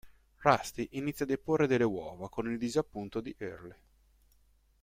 Rusty inizia a deporre delle uova con il disappunto di Early.